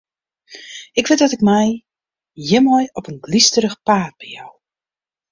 Ik wit dat ik my hjirmei op in glysterich paad bejou.